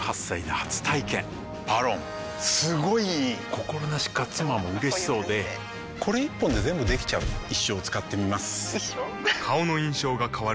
心なしか妻も嬉しそうでこれ一本で全部できちゃう一生使ってみます一生？